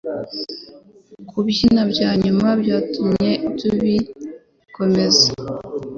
kubyina byanyuma byatumye tubi komeza